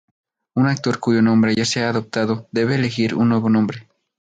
Un actor cuyo nombre ya se ha adoptado, debe elegir un nuevo nombre.